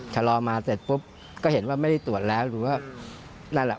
ชะลอมาเสร็จปุ๊บก็เห็นว่าไม่ได้ตรวจแล้วหรือว่านั่นแหละ